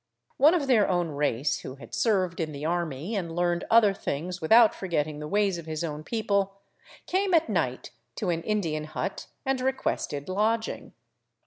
One of their own race, who had served in the army and learned other things without forgetting the ways of his own people, came at night to an Indian hut and requested lodging.